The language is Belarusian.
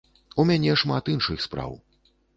У мяне шмат іншых спраў.